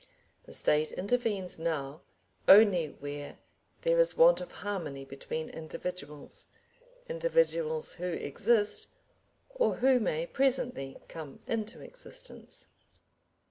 The State intervenes now only where there is want of harmony between individuals individuals who exist or who may presently come into existence.